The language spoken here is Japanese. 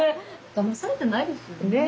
だまされてないですよね。